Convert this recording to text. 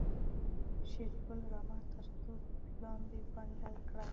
شېرګل رمه تر توت لاندې پنډه کړه.